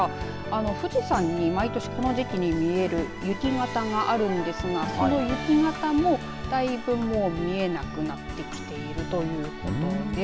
富士山に毎年この時期に見える雪形があるんですがその雪形もだいぶ見えなくなってきているということです。